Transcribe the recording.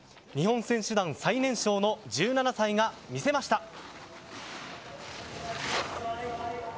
日本選手団最年少の１７歳が見せました。